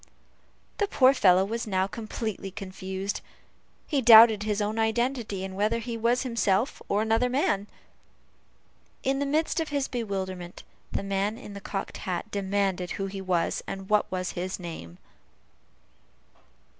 The poor fellow was now completely confounded. He doubted his own identity, and whether he was himself or another man. In the midst of his bewilderment, the man in the cocked hat demanded who he was, and what was his name?